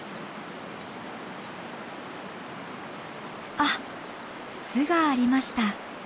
あっ巣がありました。